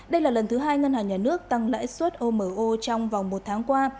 đây là lần thứ hai ngân hàng nhà nước tăng lãi suất omo trong vòng một tháng qua